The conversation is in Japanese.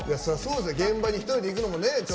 現場に一人で行くのもね。